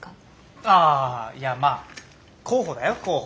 あいやまあ候補だよ候補。